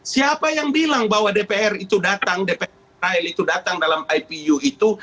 siapa yang bilang bahwa dpr itu datang dpr israel itu datang dalam ipu itu